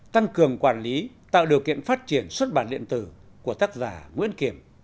tăng cường quản lý tạo điều kiện phát triển xuất bản điện tử của tác giả nguyễn kiểm